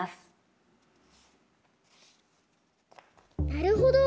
なるほど！